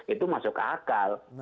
itu masuk ke akal